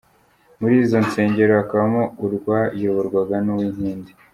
Muri zo nsegero hakabamo urwayoborwaga na Uwinkindi.